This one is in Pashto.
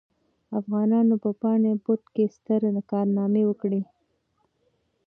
افغانانو په پاني پت کې ستره کارنامه وکړه.